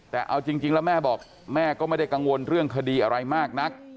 แต่เอาจริงแล้วแม่บอกแม่ก็ไม่ได้กังวลเรื่องคดีอะไรมากนัก